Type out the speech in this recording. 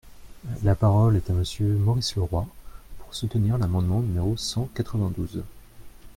La parole est à Monsieur Maurice Leroy, pour soutenir l’amendement numéro cent quatre-vingt-douze.